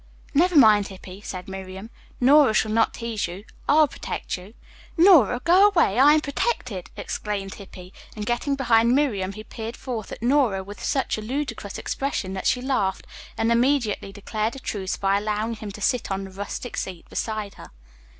"Never mind, Hippy," said Miriam. "Nora shall not tease you. I'll protect you." "Nora, go away, I am protected!" exclaimed Hippy, and, getting behind Miriam, he peered forth at Nora with such a ludicrous expression that she laughed, and immediately declared a truce by allowing him to sit on the rustic seat beside her.